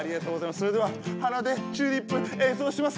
それでは鼻で「チューリップ」演奏します。